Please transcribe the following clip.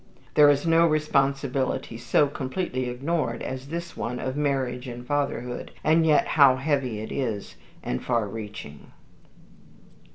There is no responsibility so completely ignored as this one of marriage and fatherhood, and yet how heavy it is and far reaching."